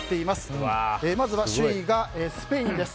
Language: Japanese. まずは首位がスペインです。